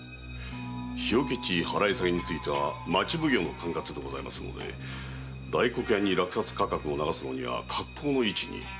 火除地払い下げについては町奉行の管轄でございますゆえ大黒屋に落札価格を流すのには格好の位置に。